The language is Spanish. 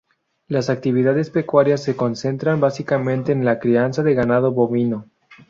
Las actividades pecuarias se concentran básicamente en la crianza de ganado bovino.